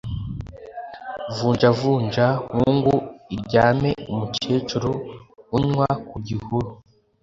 Vunjavunja Nkungu iryame-Umukecuru unnya ku gihuru.